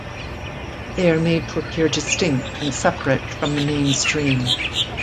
They are made to appear distinct and separate from the mainstream.